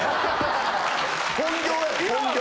本業や本業。